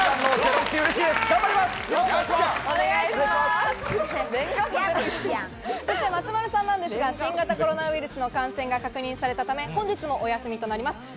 うれしい松丸さんは新型コロナウイルスの感染が確認されたため、本日もお休みとなります。